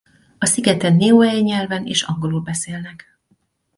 A szigeten niuei nyelven és angolul beszélnek.